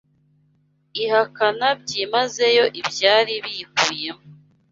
ihakana byimazeyo ibyari biyikubiyemo